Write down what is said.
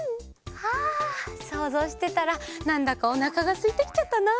はあそうぞうしてたらなんだかおなかがすいてきちゃったな。